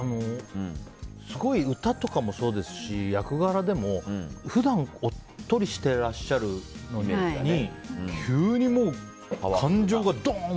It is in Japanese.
すごい歌とかもそうですし役柄でも、普段おっとりしていらっしゃるのに急に、感情がドーン！